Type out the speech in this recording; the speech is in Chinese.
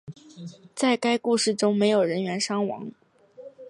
在该事故中没有人员伤亡。